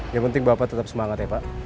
yang penting bapak tetap semangat ya pak